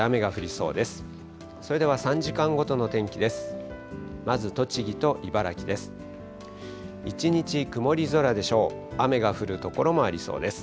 それでは３時間ごとの天気です。